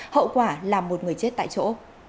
hậu quả là một người chết tại chỗ